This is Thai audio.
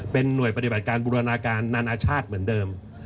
เป็นหน่วยปฏิบัติการบูรณาการนานาชาติเหมือนเดิม